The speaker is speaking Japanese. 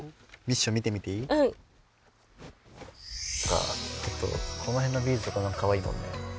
あとこの辺のビーズとかもかわいいもんね。